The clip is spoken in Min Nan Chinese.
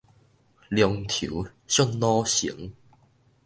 龍頭屬老成